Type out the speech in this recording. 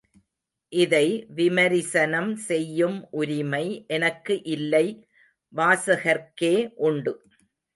இதை விமரிசனம் செய்யும் உரிமை எனக்கு இல்லை வாசகர்க்கே உண்டு.